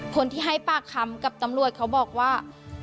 คนที่ให้ปากคำกับตำรวจเขาบอกว่า